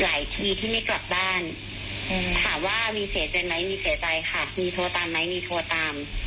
ทีที่ไม่กลับบ้านถามว่ามีเสียใจไหมมีเสียใจค่ะมีโทรตามไหมมีโทรตาม